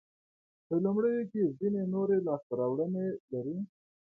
په لومړیو کې یې ځیني نورې لاسته راوړنې لرلې.